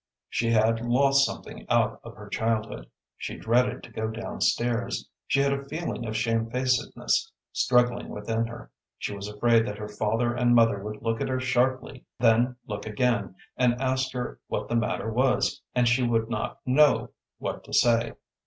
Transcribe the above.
She had lost something out of her childhood. She dreaded to go down stairs; she had a feeling of shamefacedness struggling within her; she was afraid that her father and mother would look at her sharply, then look again, and ask her what the matter was, and she would not know what to say.